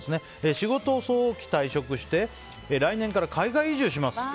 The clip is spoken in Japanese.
仕事を早期退職して来年から海外移住します。